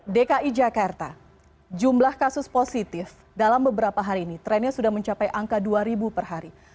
dki jakarta jumlah kasus positif dalam beberapa hari ini trennya sudah mencapai angka dua ribu per hari